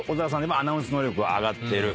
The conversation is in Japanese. アナウンス能力が上がってる。